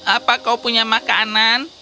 apa kau punya makanan